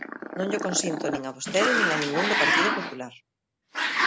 Non llo consinto nin a vostede nin a ningún do Partido Popular.